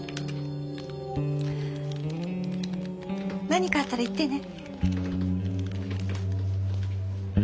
何かあったら言ってね。